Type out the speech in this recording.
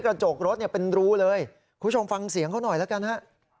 ก็เป็นรูเลยคุณชมฟังเสียงเขาหน่อยแล้วกันฮะ